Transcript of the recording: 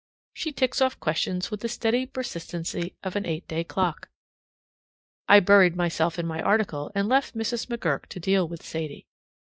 She ticks off questions with the steady persistency of an eight day clock. I buried myself in my article and left Mrs. McGurk to deal with Sadie.